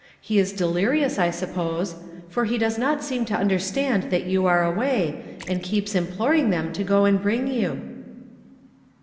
He is delirious, I suppose ; for he does not seem to understand that you are away, and keei)S imploring them to go and bring you."